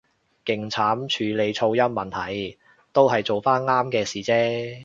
勁慘處理噪音問題，都係做返啱嘅事啫